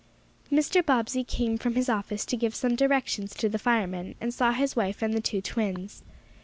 Mr. Bobbsey came from his office to give some directions to the firemen, and saw his wife and the two twins.